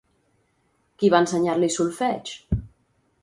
Qui va ensenyar-li solfeig?